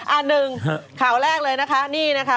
อันหนึ่งข่าวแรกเลยนะคะนี่นะคะ